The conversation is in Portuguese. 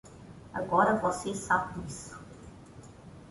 Agora você sabe disso.